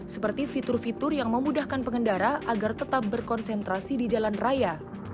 seperti fitur fitur yang memudahkan pengendara agar tetap berkonsentrasi di jalan raya